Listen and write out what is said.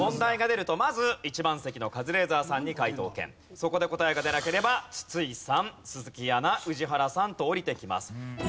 そこで答えが出なければ筒井さん鈴木アナ宇治原さんと下りてきます。